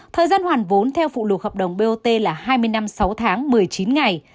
thời gian hoàn vốn theo phụ luộc hợp đồng bot là hai mươi năm sáu tháng